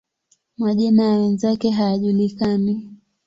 Majina ya wenzake hayajulikani.